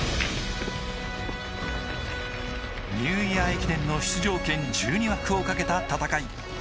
ニューイヤー駅伝の出場権１２枠をかけた戦い。